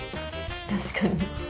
確かに。